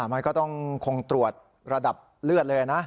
มันก็ต้องคงตรวจระดับเลือดเลยนะ